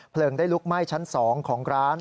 ได้ลุกไหม้ชั้น๒ของร้าน